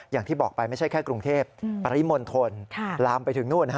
อย่างที่บอกไปไม่ใช่แค่กรุงเทพฯปริมณฑลลามไปถึงนู่น